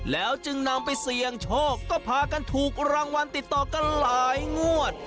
แล้วจึงนำไปเสี่ยงโชคก็พากันถูกรางวัลติดต่อกันหลายงวด